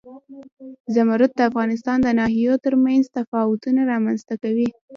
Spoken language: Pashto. زمرد د افغانستان د ناحیو ترمنځ تفاوتونه رامنځ ته کوي.